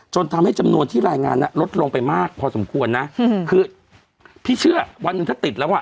จนทำให้จำนวนที่รายงานน่ะลดลงไปมากพอสมควรนะคือพี่เชื่อวันหนึ่งถ้าติดแล้วอ่ะ